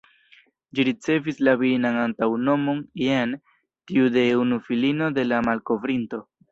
Ĝi ricevis la virinan antaŭnomon ""Jeanne"", tiu de unu filino de la malkovrinto.